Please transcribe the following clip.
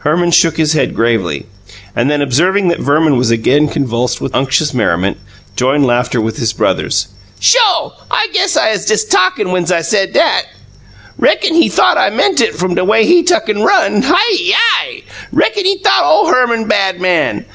Herman shook his head gravely, and then, observing that Verman was again convulsed with unctuous merriment, joined laughter with his brother. "Sho'! I guess I uz dess TALKIN' whens I said 'at! Reckon he thought I meant it, f'm de way he tuck an' run. Hiyi! Reckon he thought ole Herman bad man!